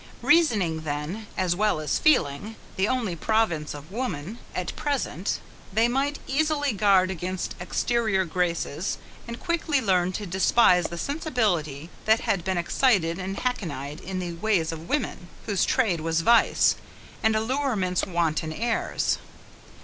Reasoning then, as well as feeling, the only province of woman, at present, they might easily guard against exterior graces, and quickly learn to despise the sensibility that had been excited and hackneyed in the ways of women, whose trade was vice; and allurement's wanton airs.